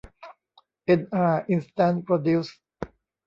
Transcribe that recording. เอ็นอาร์ อินสแตนท์ โปรดิวซ์